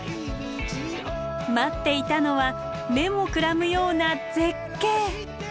待っていたのは目もくらむような絶景！